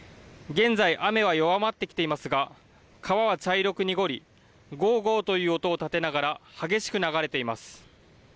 現在、雨は弱まってきていますが川は茶色く濁りゴーゴーという音を立てながら激しく流れています。